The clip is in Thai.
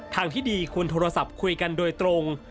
ทางที่ดีควรโทรศัพท์คุยกันโดยตรง